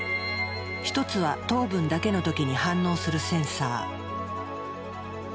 １つは糖分だけの時に反応するセンサー。